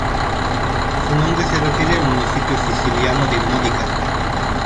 Su nombre se refiere al municipio siciliano de Módica.